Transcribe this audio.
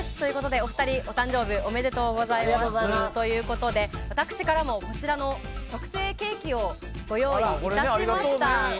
お二人お誕生日おめでとうございます。ということで私からも特製ケーキをご用意いたしました。